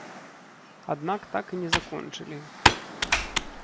Аднак так і не закончылі.